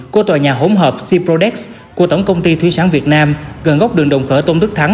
của tòa nhà hỗn hợp sirodet của tổng công ty thúy sáng việt nam gần góc đường đồng khởi tôn đức thắng